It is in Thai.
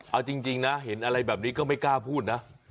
เอาจริงนะเห็นอะไรแบบนี้ก็ไม่กล้าพูดนะ